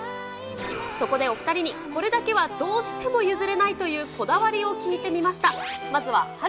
そこでお２人に、これだけはどうしても譲れないというこだわりを聞いてみました。